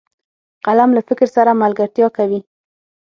قلم له فکر سره ملګرتیا کوي